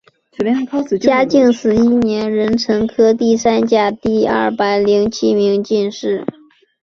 嘉靖十一年壬辰科第三甲第二百零七名进士。